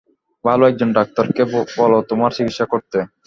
ভালো এক জন ডাক্তারকে বল তোমার চিকিৎসা করতে।